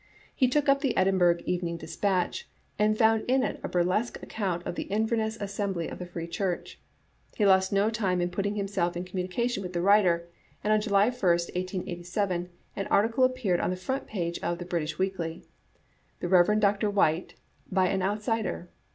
He took up the Edinburgh Evening Dispatch^ and found in it a burlesque account of the Inverness Assembly of the Free Church. He lost no time in put ting himself in communication with the writer, and on July I, 1887, an article appeared on the front page of The British Weekly, "The Rev. Dr. Whyte. By an Out sider."